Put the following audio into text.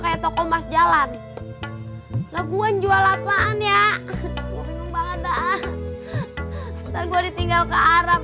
kayak toko mas jalan laguan jual apaan ya bingung banget ah dan gue ditinggal ke arab